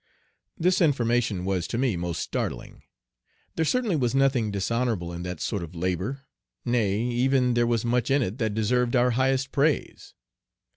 This information was to me most startling. There certainly was nothing dishonorable in that sort of labor nay, even there was much in it that deserved our highest praise.